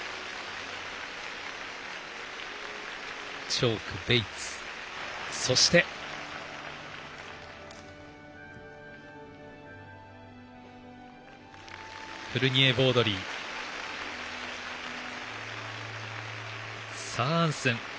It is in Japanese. チョーク、ベイツとそして、フルニエボードリーサアアンスン。